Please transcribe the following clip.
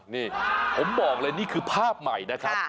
นี่ผมบอกเลยนี่คือภาพใหม่นะครับ